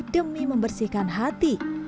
demi membersihkan hati